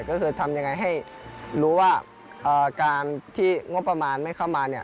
ก็คือทำยังไงให้รู้ว่าการที่งบประมาณไม่เข้ามาเนี่ย